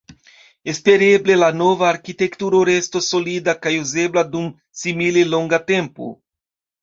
Espereble la nova arkitekturo restos solida kaj uzebla dum simile longa tempo.